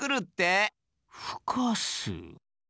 ふかす？